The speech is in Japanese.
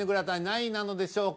何位なのでしょうか？